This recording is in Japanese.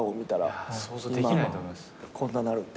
こんななるって。